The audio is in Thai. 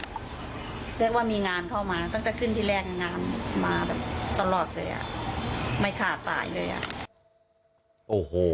ตั้งแต่ขึ้นที่แรกงานมาแบบตลอดเลยอ่ะไม่ขาดสายเลยอ่ะโอ้โห